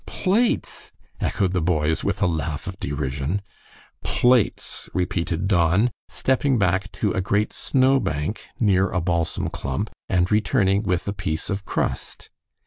"Plates!" echoed the boys, with a laugh of derision. "Plates," repeated Don, stepping back to a great snowbank, near a balsam clump, and returning with a piece of "crust."